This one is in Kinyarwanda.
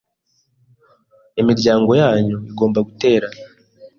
imiryango yanyu igomba guterana